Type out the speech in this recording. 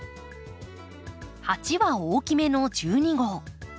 鉢は大きめの１２号。